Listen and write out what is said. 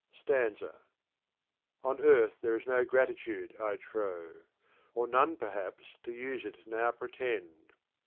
Stanza. * On earth there is no gratitude, I trow ; Or none, perhaps, to use it now pretend.